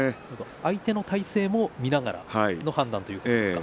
相手の体勢も見ながらの判断ということですね。